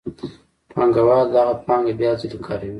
پانګوال دغه پانګه بیا ځلي کاروي